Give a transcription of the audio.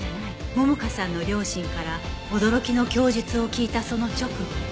桃香さんの両親から驚きの供述を聞いたその直後